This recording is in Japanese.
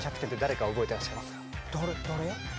誰？